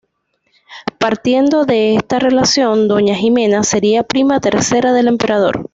Partiendo de esta relación, doña Jimena sería prima tercera del emperador.